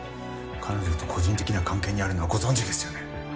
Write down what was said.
彼女と個人的な関係にあるのはご存じですよね。